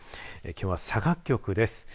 きょうは佐賀局です。